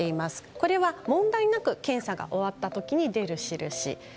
これは問題なく検査が終わった時に出る印です。